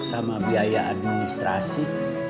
sama biaya administrasi